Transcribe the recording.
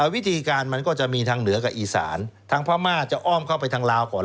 วิธีการมันก็จะมีทางเหนือกับอีสานทางพม่าจะอ้อมเข้าไปทางลาวก่อน